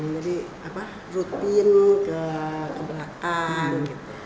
jadi rutin ke belakang